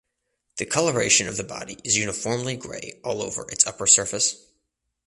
The coloration of the body is uniformly grey all over its upper surface.